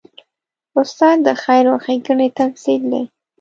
استاد د خیر او ښېګڼې تمثیل دی.